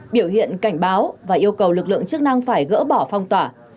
biểu hiện cảnh báo và yêu cầu lực lượng chức năng phải gỡ bỏ phong tỏa